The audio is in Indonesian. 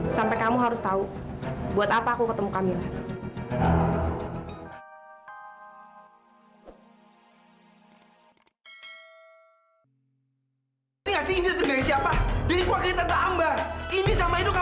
sampai kamu harus tahu buat apa aku ketemu kami